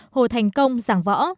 hồ thành công giảng võ